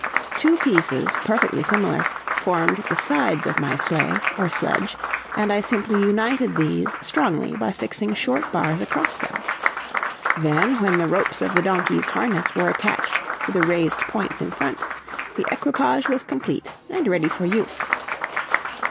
Two pieces, perfectly similar, formed the sides of my sleigh, or sledge, and I simply united these strongly by fixing short bars across them. Then, when the ropes of the donkey's harness were attached to the raised points in front, the equipage was complete and ready for use.